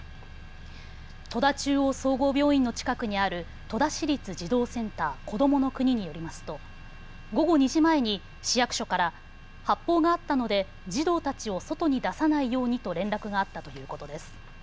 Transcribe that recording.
戸田中央総合病院の近くにある戸田市立児童センターこどもの国によりますと午後２時前に市役所から発砲があったので児童たちを外に出さないようにと連絡があったということです。